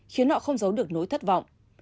khiến họ không giấu được nỗi thất vọng